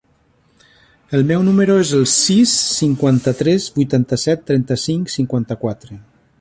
El meu número es el sis, cinquanta-tres, vuitanta-set, trenta-cinc, cinquanta-quatre.